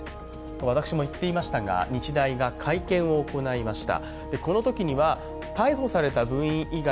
私も行っていましたが日大が会見を行いました。